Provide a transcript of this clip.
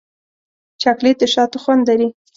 چاکلېټ د شاتو خوند لري.